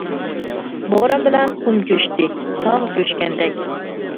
بوران بىلەن قۇم كۆچتى تاغ كۆچكەندەك.